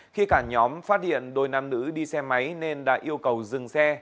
khi cả nhóm phát hiện đôi nam nữ đi xe máy nên đã yêu cầu dừng xe